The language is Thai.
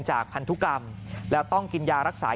พันธุกรรมแล้วต้องกินยารักษา